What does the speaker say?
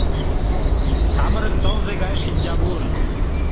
Самырык тылзе гай шинчавун.